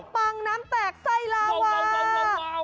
ปังน้ำแตกไส้ลาวา